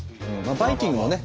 バイキングをね